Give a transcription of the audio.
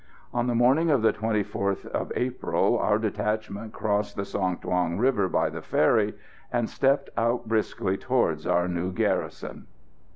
On the morning of the 24th April our detachment crossed the Song Thuong river by the ferry, and stepped out briskly towards our new garrison.